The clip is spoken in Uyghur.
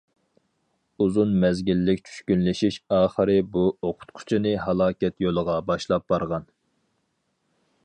ئۇزۇن مەزگىللىك چۈشكۈنلىشىش ئاخىرى بۇ ئوقۇتقۇچىنى ھالاكەت يولىغا باشلاپ بارغان.